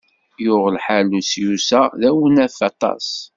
Yuɣ lḥal Lusyus-a d awnaf aṭas.